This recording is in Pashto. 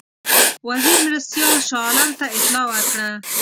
وزیر مرستیال شاه عالم ته اطلاع ورکړه.